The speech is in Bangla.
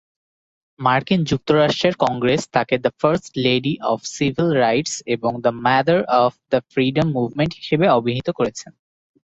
মার্কিন যুক্তরাষ্ট্রের কংগ্রেস তাকে "the first lady of civil rights" এবং "the mother of the freedom movement" হিসেবে অভিহিত করেছে।